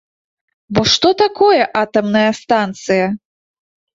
Бо што такое атамная станцыя?